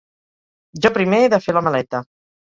Jo primer he de fer la maleta.